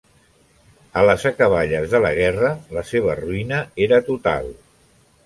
A les acaballes de la guerra la seva ruïna era total.